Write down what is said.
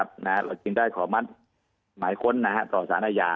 ครับเราจึงได้ขอมัดหมายค้นต่อสถานยา